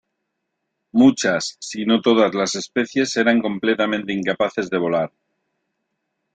Muchas, si no todas las especies eran completamente incapaces de volar.